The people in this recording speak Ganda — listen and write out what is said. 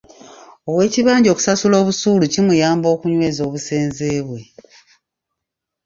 Ow'ekibanja okusasula obusuulu kimuyamba okunyweza obusenze bwe.